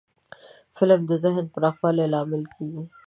فلم د ذهن پراخوالي لامل کېږي